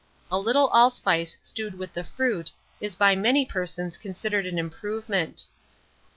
A little allspice stewed with the fruit is by many persons considered an improvement.